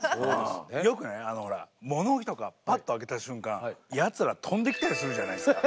よくね物置とかパッと開けた瞬間やつら跳んできたりするじゃないですか。